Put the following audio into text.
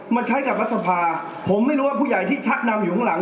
มาใช้กับรัฐสภาผมไม่รู้ว่าผู้ใหญ่ที่ชักนำอยู่ข้างหลัง